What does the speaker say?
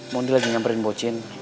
moni lagi nyamperin bu cin